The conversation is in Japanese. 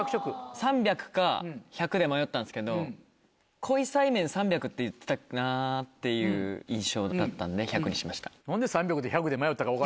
３００か１００で迷ったんですけど濃菜麺３００って言ってたなっていう印象だったんで１００にしました。